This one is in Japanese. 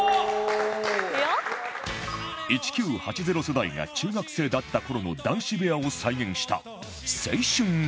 １９８０世代が中学生だった頃の男子部屋を再現した青春ルーム